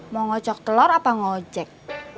mau ngocok telor apa ngejek